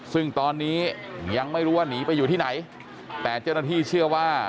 ซึ่งตอนนี้ยังไม่รู้ว่าหนีไปอยู่ที่ไหนแต่เจ้าหน้าที่เชื่อว่า